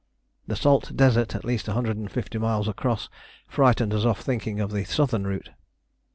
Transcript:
The Salt Desert, at least 150 miles across, frightened us off thinking of the southern route.